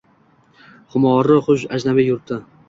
Xumori hush ajnabiy yurtda